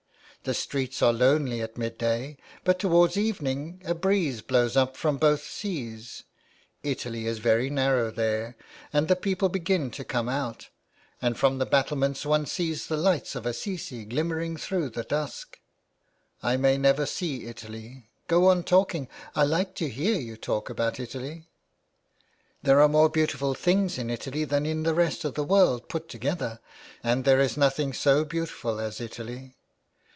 The streets are lonely at midday, but towards evening a breeze blows up from both seas — Italy is very narrow there — and the people begin to come out; and from the battlements one sees the lights of Assisi glimmering through the dusk." " I may never see Italy. Go on talking. I like to hear you talk about Italy." There are more beautiful things in Italy than in the rest of the world put together, and there is nothing so beautiful as Italy.